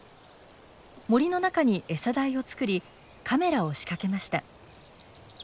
森の中に台を作りカメラを仕掛けました。